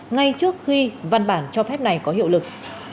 ngay trước khi văn bản cho phép này có hiệu lực